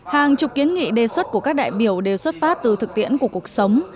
hàng chục kiến nghị đề xuất của các đại biểu đều xuất phát từ thực tiễn của cuộc sống